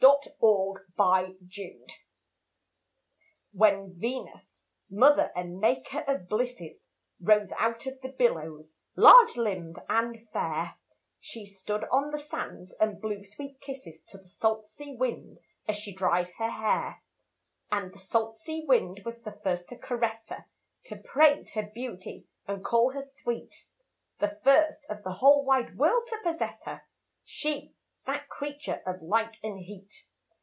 THE SALT SEA WIND When Venus, mother and maker of blisses, Rose out of the billows, large limbed, and fair, She stood on the sands and blew sweet kisses To the salt sea wind as she dried her hair. And the salt sea wind was the first to caress her To praise her beauty and call her sweet, The first of the whole wide world to possess her, She, that creature of light and heat.